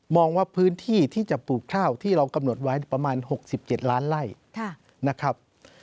ว่าพื้นที่ที่จะปลูกข้าวที่เรากำหนดไว้ประมาณ๖๗ล้านไล่นะครับ